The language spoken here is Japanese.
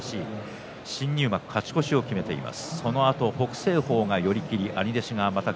新入幕勝ち越しを決めています。